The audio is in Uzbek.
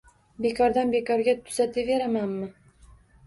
Bekordan-bekorga tuzataveramanmi